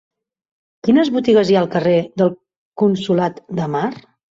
Quines botigues hi ha al carrer del Consolat de Mar?